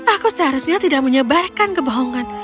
aku seharusnya tidak menyebarkan kebohongan